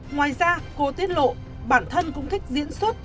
ngoài ra cô tiết lộ bản thân cũng thích diễn xuất